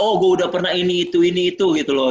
oh gue udah pernah ini itu ini itu gitu loh